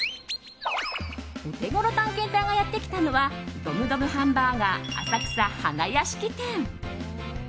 オテゴロ探検隊がやってきたのはドムドムハンバーガー浅草花やしき店。